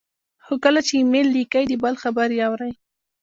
خو کله چې ایمیل لیکئ، د بل خبرې اورئ،